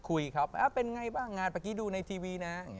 คุยครับเป็นไงบ้างงานเมื่อกี้ดูในทีวีนะ